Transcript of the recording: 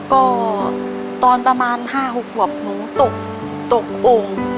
ก็ตอนประมาณ๕๖หวับหนูตกตกองค์